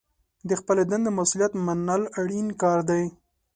د خپلې دندې مسوولیت منل اړین کار دی.